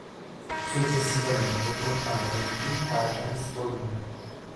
Successivamente comparve in "Teen Titans" vol.